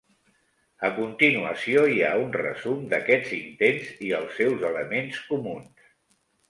A continuació hi ha un resum d'aquests intents i els seus elements comuns.